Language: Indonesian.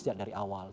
sejak dari awal